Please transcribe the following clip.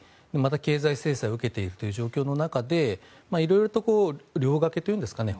経済制裁を受けているという状況の中で色々と両がけというんですかね